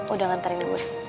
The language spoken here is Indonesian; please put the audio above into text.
udah nganterin dulu